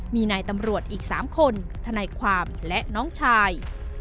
มีนายตำรวจอีก๓คนทนายความและน้องชาย